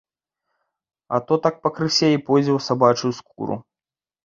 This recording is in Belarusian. А то так пакрысе і пойдзе ў сабачую скуру.